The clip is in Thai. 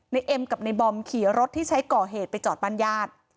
เอ็มกับในบอมขี่รถที่ใช้ก่อเหตุไปจอดบ้านญาติ